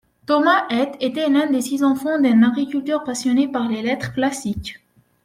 Thomas Heath était l'un des six enfants d'un agriculteur passionné par les Lettres classiques.